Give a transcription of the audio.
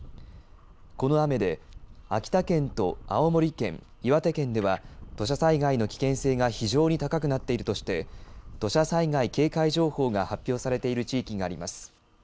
この雨で秋田県と青森県岩手県では土砂災害の危険性が非常に高くなっているとして土砂災害警戒情報が発表されている地域があります。